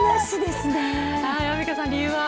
アンミカさん理由は。